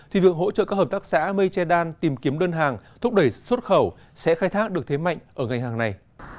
thì việc hỗ trợ các hợp tác xã mây che đan tìm kiếm đơn hàng thúc đẩy xuất khẩu sẽ khai thác được thế mạnh ở gây hàng này